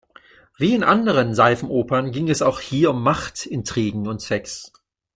Wie in den anderen Seifenopern ging es auch hier um Macht, Intrigen und Sex.